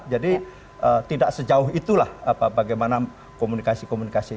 jadi tidak sejauh itulah bagaimana komunikasi komunikasi